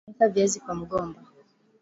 funika viazi kwa mgomba